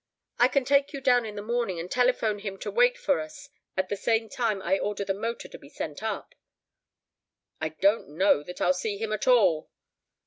I can take you down in the morning and telephone him to wait for us at the same time I order the motor to be sent up." "I don't know that I'll see him at all."